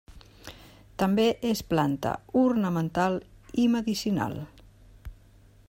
També és planta ornamental i medicinal.